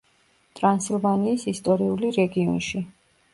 ტრანსილვანიის ისტორიული რეგიონში.